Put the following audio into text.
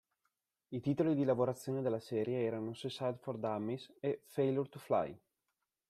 I titoli di lavorazione della serie erano "Suicide for Dummies" e "Failure to Fly".